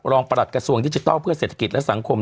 ประหลัดกระทรวงดิจิทัลเพื่อเศรษฐกิจและสังคม